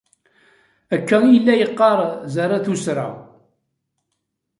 Akka i yella yeqqaṛ Zarathustra.